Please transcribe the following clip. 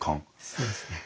そうですね。